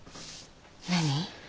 何？